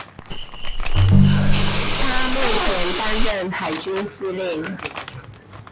她目前擔任海軍司令